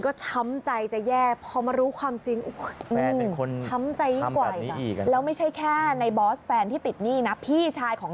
ก็ช้ำใจจะแย่เพราะเขามารู้ความจริง